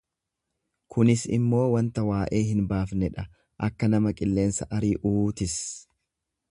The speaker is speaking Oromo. kunis immoo wanta waa'ee hin baafnee dha, akka nama qilleensa ari'uutis.